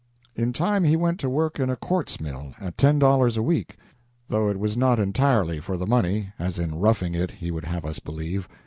In time he went to work in a quartz mill at ten dollars a week, though it was not entirely for the money, as in "Roughing It" he would have us believe.